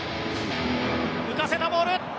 浮かせたボール